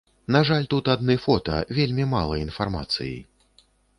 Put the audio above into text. На жаль тут адны фота, вельмі мала інфармацыі.